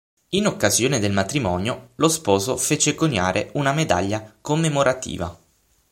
In occasione del matrimonio, lo sposo fece coniare una medaglia commemorativa.